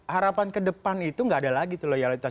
harapan ke depan itu nggak ada lagi tuh loyalitas